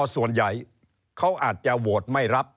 ส่วนใหญ่เขาอาจจะโหวตไม่รับ